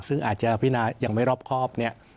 ซึ่งอาจจะอภินาอย่างไม่รอบครอบ